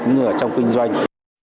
những người ở trong kinh doanh